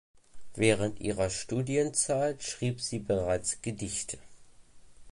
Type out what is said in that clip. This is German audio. Während ihrer Studienzeit schrieb sie bereits Gedichte.